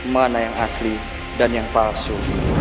mana yang asli dan yang palsu